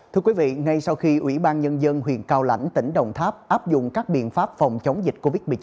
thưa quý vị ngay sau khi ủy ban nhân dân huyện cao lãnh tỉnh đồng tháp áp dụng các biện pháp phòng chống dịch covid một mươi chín